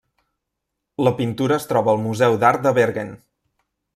La pintura es troba al museu d'art de Bergen.